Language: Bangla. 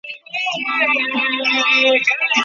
অতএব একটু ধৈর্য অবলম্বন করা প্রয়োজন।